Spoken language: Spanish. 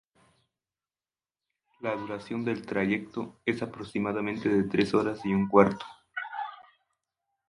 La duración del trayecto es aproximadamente de tres horas y un cuarto.